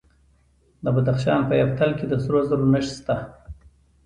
د بدخشان په یفتل کې د سرو زرو نښې شته.